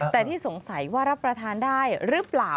แต่ที่สงสัยว่ารับประทานได้หรือเปล่า